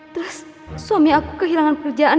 terus suami aku kehilangan pekerjaan